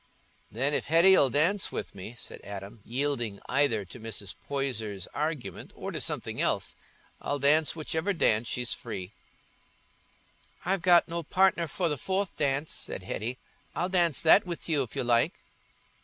"Then if Hetty 'ull dance with me," said Adam, yielding either to Mrs. Poyser's argument or to something else, "I'll dance whichever dance she's free." "I've got no partner for the fourth dance," said Hetty; "I'll dance that with you, if you like."